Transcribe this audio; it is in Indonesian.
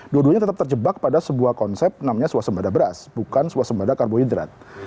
dua duanya tetap terjebak pada sebuah konsep namanya suasembada beras bukan suasembada karbohidrat